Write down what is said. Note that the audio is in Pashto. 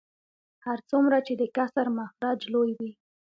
هر څومره چې د کسر مخرج لوی وي